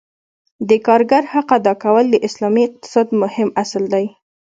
د کارګر حق ادا کول د اسلامي اقتصاد مهم اصل دی.